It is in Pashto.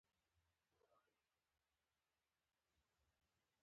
کروشیایانو د بیا حملې هڅه ونه کړل.